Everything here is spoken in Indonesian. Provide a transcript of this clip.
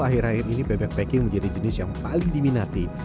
akhir akhir ini bebek packing menjadi jenis yang paling diminati